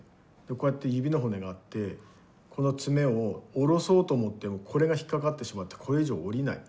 こうやって指の骨があってこの爪を下ろそうと思ってもこれが引っ掛かってしまってこれ以上下りない。